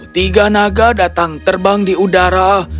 tiga naga datang terbang di udara